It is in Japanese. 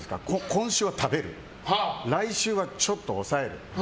今週は食べる来週はちょっと抑える。